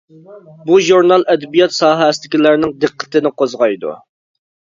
بۇ ژۇرنال ئەدەبىيات ساھەسىدىكىلەرنىڭ دىققىتىنى قوزغايدۇ.